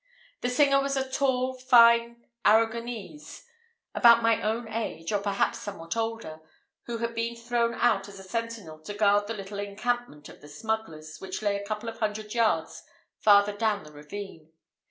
The singer was a tall, fine Arragonese, about my own age, or perhaps somewhat older, who had been thrown out as a sentinel to guard the little encampment of the smugglers, which lay a couple of hundred yards farther down the ravine.